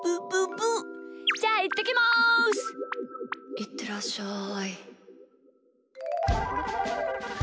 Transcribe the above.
いってらっしゃい。